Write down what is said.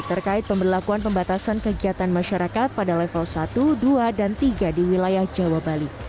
terkait pemberlakuan pembatasan kegiatan masyarakat pada level satu dua dan tiga di wilayah jawa bali